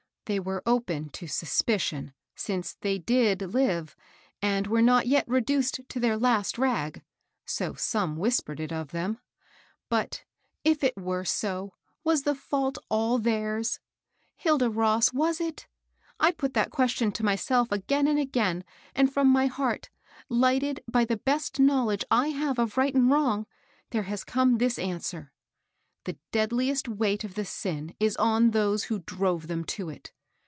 They were open to suspicion, since they did live, and were not yet reduced to their last rag ; so some whispered it of them. But, if rk DIED AT HEB POST I 15T were so, was the &ult all theirs ? EGlda Ross, was it? I've put that question to myself again and again, and, from my heart, lighted by the best knowledge I have of right and wrong, there has come this answer : The deadliest weight of the sin is on those who drove them to it.